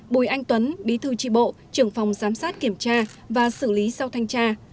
bùi anh tuấn bí thư tri bộ trưởng phòng giám sát kiểm tra và xử lý sau thanh tra